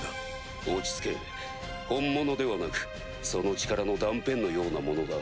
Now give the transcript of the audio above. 落ち着け本物ではなくその力の断片のようなものだ。